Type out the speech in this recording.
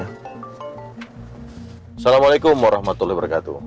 assalamualaikum warahmatullahi wabarakatuh